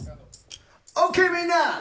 ＯＫ、みんな！